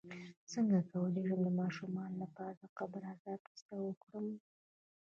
څنګه کولی شم د ماشومانو لپاره د قبر عذاب کیسه وکړم